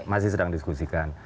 masih sedang diskusikan